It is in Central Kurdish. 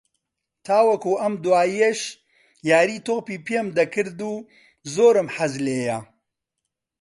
تاوەکو ئەم دواییەش یاری تۆپی پێم دەکرد و زۆرم حەز لێییە